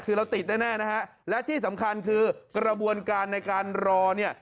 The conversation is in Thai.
คือเราติดแน่นะฮะและที่สำคัญคือกระบวนการในการรอเนี่ย